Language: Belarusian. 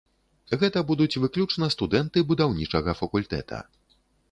Гэта будуць выключна студэнты будаўнічага факультэта.